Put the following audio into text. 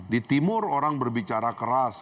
di timur orang berbicara keras